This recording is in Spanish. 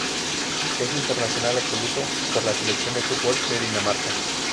Es internacional absoluto por la selección de fútbol de Dinamarca.